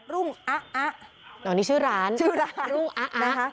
รุ่งอ๊ะอ๊ะอ๋อนี่ชื่อร้านชื่อร้านรุ่งอ๊ะอ๊ะนะคะ